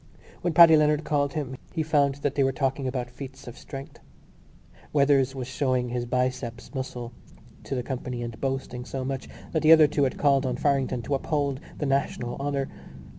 When Paddy Leonard called him he found that they were talking about feats of strength. Weathers was showing his biceps muscle to the company and boasting so much that the other two had called on Farrington to uphold the national honour.